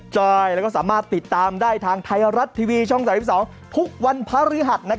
ใช่แล้วก็สามารถติดตามได้ทางไทยรัฐทีวีช่อง๓๒ทุกวันพระฤหัส